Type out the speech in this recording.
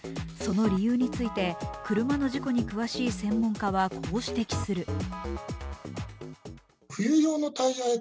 その理由について車の事故に詳しい専門家はこう指摘する。